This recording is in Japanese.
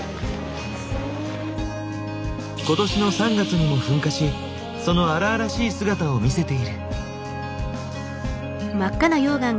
今年の３月にも噴火しその荒々しい姿を見せている。